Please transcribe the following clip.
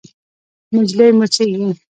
نجلۍ موسېږي…